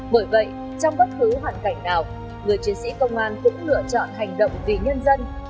bởi vậy trong bất cứ hoàn cảnh nào người chiến sĩ công an cũng lựa chọn hành động vì nhân dân